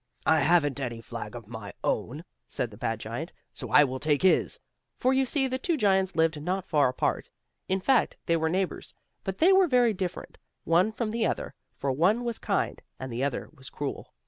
"I haven't any flag of my own," said the bad giant, "so I will take his." For you see, the two giants lived not far apart. In fact they were neighbors, but they were very different, one from the other, for one was kind and the other was cruel.